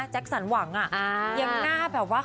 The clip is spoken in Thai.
แจ็คสันหวังอ่ะ